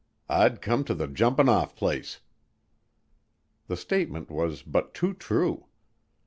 I'd come to the jumpin' off place." The statement was but too true.